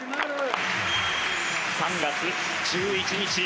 ３月１１日。